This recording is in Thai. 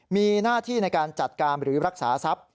มีหน้าที่ในการจัดการหรือรักษาทรัพย์